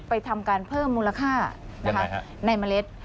ทำการเพิ่มมูลค่าในเมล็ด